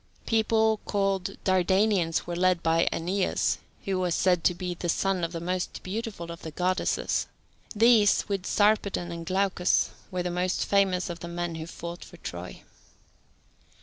People called Dardanians were led by Aeneas, who was said to be the son of the most beautiful of the goddesses. These, with Sarpedon and Glaucus, were the most famous of the men who fought for Troy.